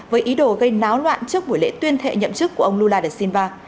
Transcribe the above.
với ý đồ gây náo loạn trước buổi lễ tuyên thệ nhậm chức của ông lula da silva